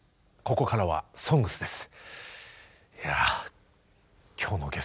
ここからは「ＳＯＮＧＳ」です。